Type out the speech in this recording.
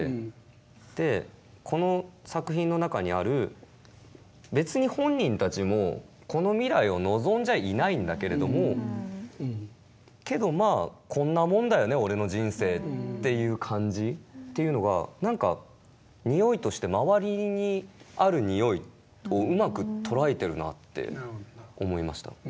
でこの作品の中にある別に本人たちもこの未来を望んじゃいないんだけれども「けどまあこんなもんだよね俺の人生」という感じというのが何かにおいとして周りにあるにおいをうまく捉えてるなあって思いました。